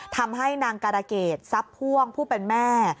ทำให้นางการะเกดทรัพย์พ่วงผู้เป็นแม่